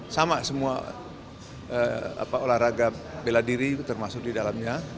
sama semua olahraga bela diri termasuk di dalamnya